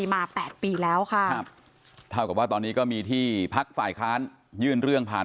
มา๘ปีแล้วค่ะครับเท่ากับว่าตอนนี้ก็มีที่พักฝ่ายค้านยื่นเรื่องผ่าน